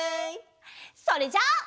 それじゃあ。